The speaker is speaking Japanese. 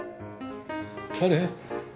誰？